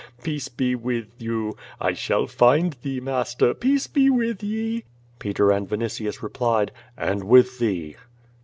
Pea<je be with you. I shall find thee, Master. Peace be with ye.'^ Peter and Vinitius replied: "And with thee."